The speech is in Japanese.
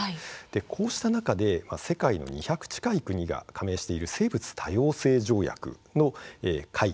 こうした中で世界の２００近い国が加盟している生物多様性条約の会議